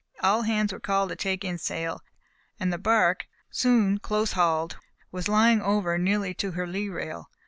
All hands were called to take in sail, and the bark, soon close hauled, was lying over nearly to her lee rail.